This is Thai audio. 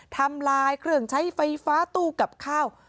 ทำลายเครื่องใช้ไฟฟ้าตู้กับข้าว